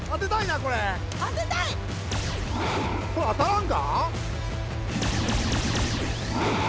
これ当たらんか？